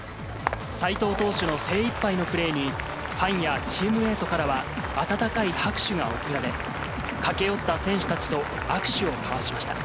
斎藤投手の精いっぱいのプレーに、ファンやチームメートからは温かい拍手が送られ、駆け寄った選手たちと握手を交わしました。